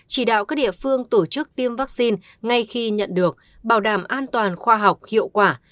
chỉ đạo các địa phương tổ chức tiêm vaccine ngay khi nhận được bảo đảm an toàn khoa học hiệu quả